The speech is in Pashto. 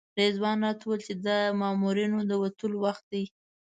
رضوان راته وویل د مامورینو د وتلو وخت دی.